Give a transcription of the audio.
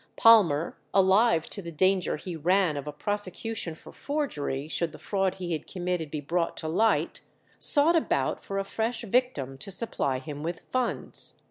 Palmer, alive to the danger he ran of a prosecution for forgery, should the fraud he had committed be brought to light, sought about for a fresh victim to supply him with funds.